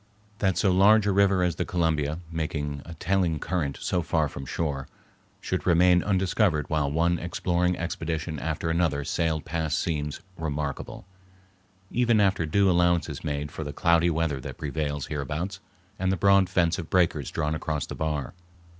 That so large a river as the Columbia, making a telling current so far from shore, should remain undiscovered while one exploring expedition after another sailed past seems remarkable, even after due allowance is made for the cloudy weather that prevails hereabouts and the broad fence of breakers drawn across the bar.